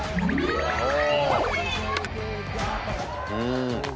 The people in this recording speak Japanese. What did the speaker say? うん。